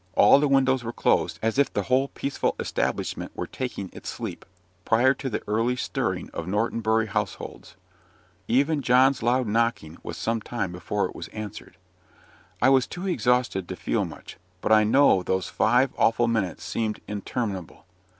All the windows were closed, as if the whole peaceful establishment were taking its sleep, prior to the early stirring of Norton Bury households. Even John's loud knocking was some time before it was answered. I was too exhausted to feel much; but I know those five awful minutes seemed interminable.